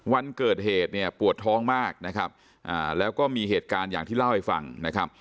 วันเกิดเหตุเนี่ยปวดท้องมากนะครับแล้วก็มีเหตุการณ์อย่างที่เล่าให้ฟังนะครับ